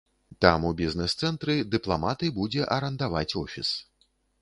Там у бізнэс-цэнтры дыпламаты будзе арандаваць офіс.